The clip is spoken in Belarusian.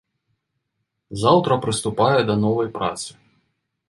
Заўтра прыступае да новай працы.